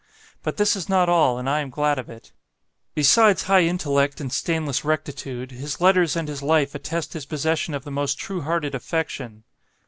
"But this is not all, and I am glad of it. Besides high intellect and stainless rectitude, his letters and his life attest his possession of the most true hearted affection.